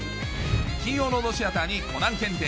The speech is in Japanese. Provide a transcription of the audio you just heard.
金曜ロードシアターにコナン検定